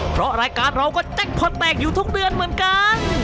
เพราะรายการเราก็แจ็คพอร์ตแตกอยู่ทุกเดือนเหมือนกัน